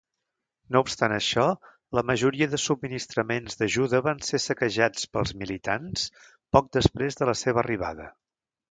No obstant això, la majoria de subministraments d'ajuda van ser saquejats pels militants poc després de la seva arribada.